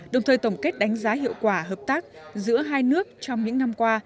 đồng thời tổng kết đánh giá hiệu quả hợp tác giữa hai nước trong những năm qua